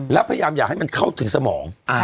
แล้วพยายามอย่าให้มันเข้าถึงสมอง